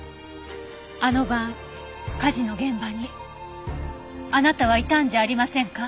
あの晩火事の現場にあなたはいたんじゃありませんか？